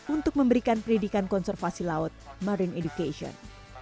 untuk memberikan pendidikan konservasi laut marine education